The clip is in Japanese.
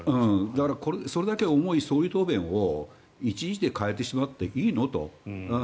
だからそれだけ重い総理答弁を１日で変えてしまっていいの？と。